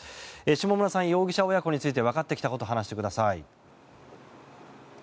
下村さん、容疑者親子について分かってきたことを話してください。